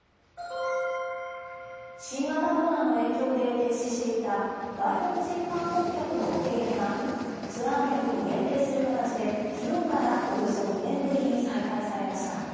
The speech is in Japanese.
新型コロナの影響で停止していた外国人観光客の受け入れが、ツアー客に限定する形で、きのうからおよそ２年ぶりに再開されました。